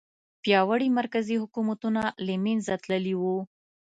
پیاوړي مرکزي حکومتونه له منځه تللي وو.